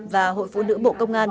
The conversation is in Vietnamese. và hội phụ nữ bộ công an